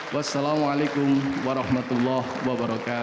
wassalamualaikum warahmatullah wabarakatuh